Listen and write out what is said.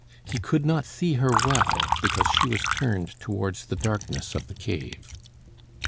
He could not see her well, because she was turned towards the darkness of the cave.